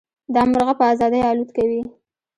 دا مرغه په ازادۍ الوت کوي.